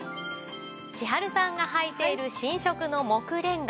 千春さんがはいている新色の杢レンガ。